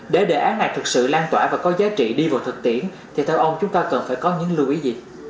để đề án này thực sự lan tỏa và có giá trị đi vào thực tiễn thì theo ông chúng ta cần phải có những lưu ý gì